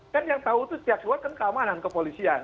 kan yang tahu itu setiap suatu kan keamanan ke polisian